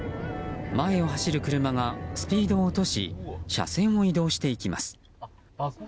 前を走る車がスピードを落とし車線を移動していきます。